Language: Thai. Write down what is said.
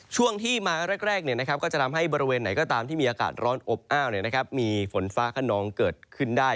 ช่วงที่มาแรกก็จะทำให้บริเวณไหนก็ตามที่มีอากาศร้อนอบอ้าวมีฝนฟ้าขนองเกิดขึ้นได้